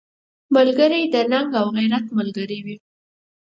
ملګری د ننګ او غیرت ملګری وي